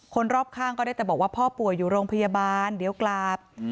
คนรอบข้างก็ได้แต่บอกว่าพ่อป่วยอยู่โรงพยาบาลเดี๋ยวกลับ